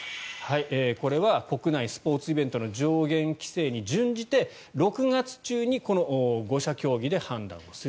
これは国内スポーツイベントの上限規制に準じて６月中にこの５者協議で判断をする。